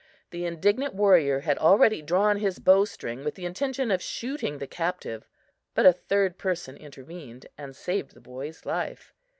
The indignant warrior had already drawn his bow string with the intention of shooting the captive, but a third person intervened and saved the boy's life.